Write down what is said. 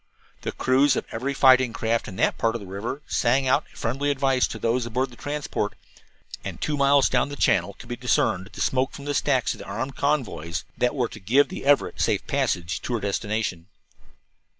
The crews of every fighting craft in that part of the river sang out friendly advice to those aboard the transport, and two miles down the channel could be discerned the smoke from the stacks of the armed convoys that were to give the Everett safe passage to her destination.